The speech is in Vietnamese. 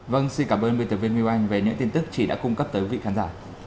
vâng xin cảm ơn bệnh tử viên nguyễn anh về những tin tức chị đã cung cấp tới vị khán giả